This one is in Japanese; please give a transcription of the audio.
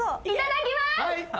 いただきます！